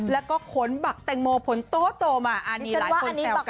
แล้วก็ขนบักแตงโมผลโตโตมาอันนี้หลายคนแสวกัน